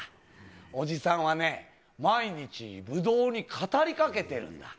おじさんはね、毎日ブドウに語りかけてるんだ。